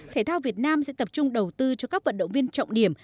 thể thao việt nam sẽ tập trung đầu tư cho các vận động viên trọng điểm